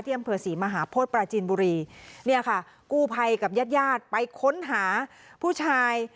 อำเภอศรีมหาโพธิปราจีนบุรีเนี่ยค่ะกู้ภัยกับญาติญาติไปค้นหาผู้ชาย